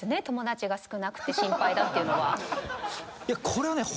友達少なくて心配だっていうのは。